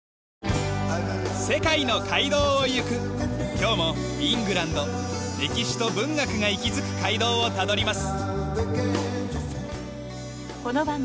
今日もイングランド歴史と文学が息づく街道をたどります。